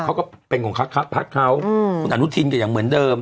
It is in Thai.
เขาก็เป็นของภักดิ์เขาอืมคุณอาณุทินกันอย่างเหมือนเดิม